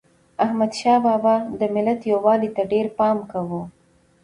احمدشاه بابا د ملت یووالي ته ډېر پام کاوه.